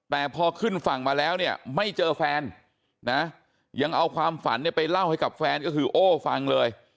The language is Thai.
แต่พอขึ้นฝั่งมาแล้วเนี่ยไม่เจอแฟนนะยังเอาความฝันเนี่ยไปเล่าให้กับแฟนก็คือโอ้ฟังเลย